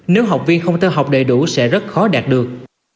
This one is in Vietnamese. nếu học viên không theo học đầy đủ sẽ rất khó đạt được